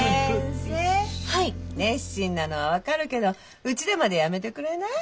熱心なのは分かるけどうちでまでやめてくれない？